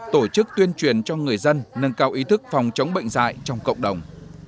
tổ chức tuyên truyền cho người dân nâng cao ý thức phòng chống bệnh dạy trong cộng đồng